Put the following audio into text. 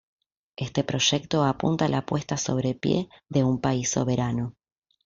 Este proyecto apunta la apuesta sobre pie de un país soberano.